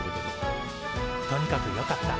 とにかくよかった。